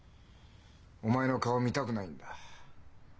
お前の顔を見たくないんだ。